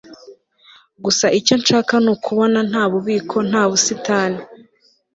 Gusa icyo nshaka nukubona nta bubiko nta busitani